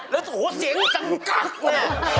แล้วเสียงจังกรักนะ